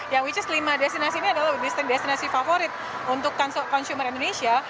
yang which is lima destinasi ini adalah destinasi favorit untuk consumer indonesia